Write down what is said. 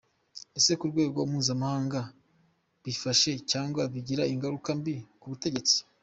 Ese ku rwego mpuzamahanga bifasha cyangwa bigira ingaruka mbi ku butegetsi ?